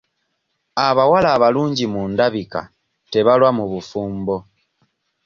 Abawala abalungi mu ndabika tebalwa mu bufumbo.